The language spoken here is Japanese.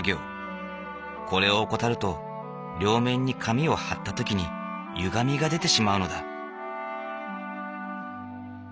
これを怠ると両面に紙をはった時にゆがみが出てしまうのだ。